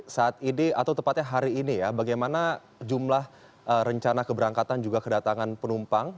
saat ini atau tepatnya hari ini ya bagaimana jumlah rencana keberangkatan juga kedatangan penumpang